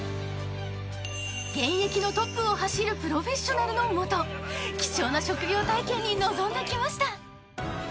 ［現役のトップを走るプロフェッショナルの下貴重な職業体験に臨んできました］